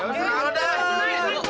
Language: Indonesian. diaduk aja boleh